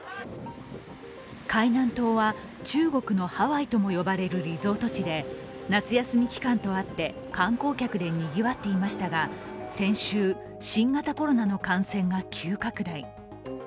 海南島は中国のハワイとも呼ばれるリゾート地で夏休み期間とあって観光客でにぎわっていましたが先週、新型コロナの感染が急拡大。